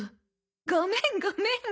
ごめんごめん。